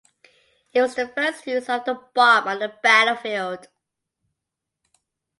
It was the first use of the bomb on the battlefield.